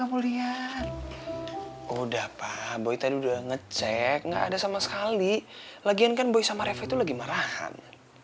udah pak boy tadi udah ngecek nggak ada sama sekali lagian kan boy sama reva itu lagi marahan